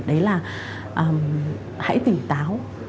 đấy là hãy tỉnh táo